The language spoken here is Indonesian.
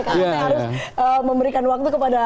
karena saya harus memberikan waktu kepada